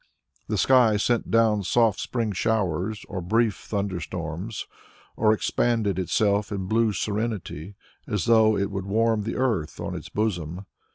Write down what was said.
The sky sent down soft spring showers, or brief thunder storms, or expanded itself in blue serenity as though it would warm the earth on its bosom.